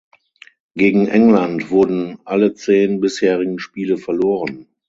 Gegen England wurden alle zehn bisherigen Spiele verloren.